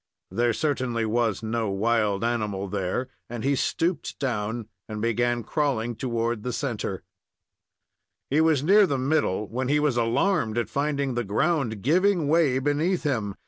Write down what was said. There certainly was no wild animal there, and he stooped down and began crawling toward the centre. He was near the middle when he was alarmed at finding the ground giving way beneath him.